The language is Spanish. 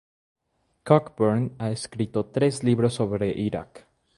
Cockburn ha escrito tres libros sobre Irak.